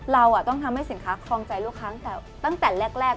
เราต้องทำให้สินค้าครองใจลูกค้าตั้งแต่แรก